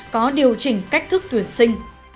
có điều chỉnh cách thức tuyển sinh